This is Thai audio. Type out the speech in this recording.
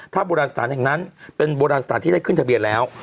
ถ้าโบราณสถานแห่งนั้นเป็นโบราณสถานที่ได้ขึ้นทะเบียนแล้ว